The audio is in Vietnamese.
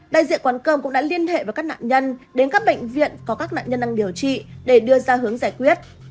đại diện quán cơm cũng đã liên hệ với các nạn nhân đến các bệnh viện có các nạn nhân đang điều trị để đưa ra hướng giải quyết